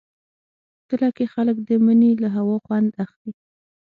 تله کې خلک د مني له هوا خوند اخلي.